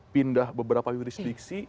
pindah beberapa jurisdiksi